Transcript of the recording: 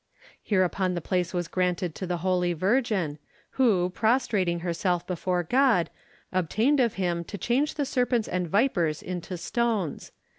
Hereupon the place was granted to the holy virgin, who, prostrating herself before God, obtained of him to change the serpents and vipers into stones.